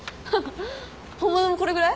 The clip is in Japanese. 本物もこれぐらい？